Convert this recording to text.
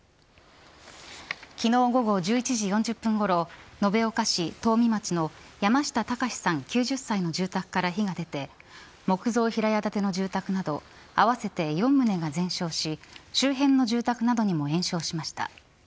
昨日、午後１１時４０分ごろ延岡市東海町の山下高さん９０歳の住宅から火が出て木造平屋建ての住宅など合わせて４棟が全焼し周辺の住宅などにも延焼しました。